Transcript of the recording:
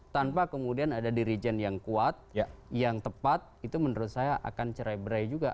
tanpa kemudian ada dirijen yang kuat yang tepat itu menurut saya akan cerai berai juga